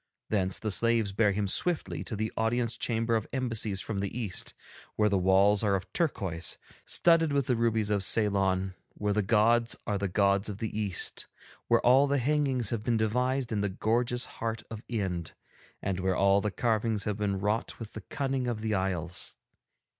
Thence the slaves bear him swiftly to the Audience Chamber of Embassies from the East, where the walls are of turquoise, studded with the rubies of Ceylon, where the gods are the gods of the East, where all the hangings have been devised in the gorgeous heart of Ind, and where all the carvings have been wrought with the cunning of the isles.